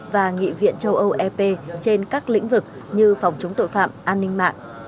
và nghị viện châu âu ep trên các lĩnh vực như phòng chống tội phạm an ninh mạng